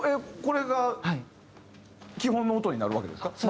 これが基本の音になるわけですか？